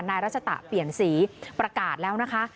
รัชตะเปลี่ยนสีประกาศแล้วนะคะ